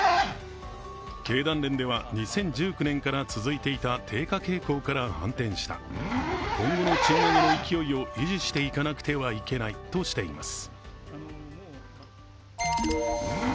経団連では、２０１９年から続いていた低下傾向から反転した、今後の賃上げの勢いを維持していかなくてはいけないとしています。